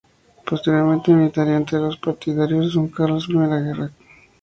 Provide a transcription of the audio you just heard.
Posteriormente militaría entre los partidarios de don Carlos en la Primera Guerra Carlista.